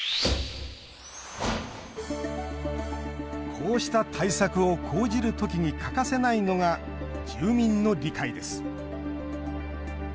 こうした対策を講じるときに欠かせないのが住民の理解です。